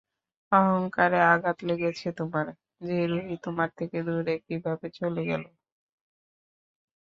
অহংকারে আঘাত লেগেছে তোমার, যে রুহি তোমার থেকে দূরে কীভাবে চলে গেলো?